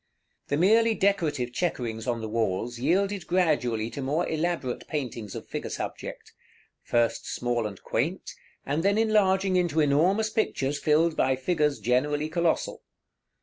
The merely decorative chequerings on the walls yielded gradually to more elaborate paintings of figure subject; first small and quaint, and then enlarging into enormous pictures filled by figures generally colossal.